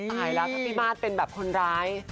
ตายแล้วถ้าพี่มาสเป็นแบบคนร้าย